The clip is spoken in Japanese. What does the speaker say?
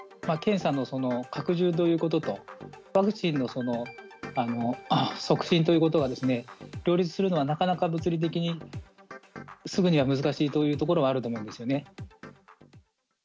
検査の拡充ということと、ワクチンの促進ということがですね、両立するのは、なかなか物理的に、すぐには難しいというところもあると思うんですよね。